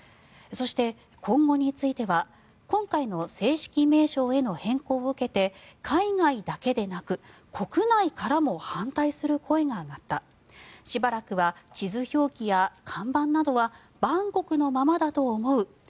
そして、今後については今回の正式名称への変更を受けて海外だけでなく国内からも反対する声が上がったしばらくは地図表記や看板などはバンコクのままだと思う。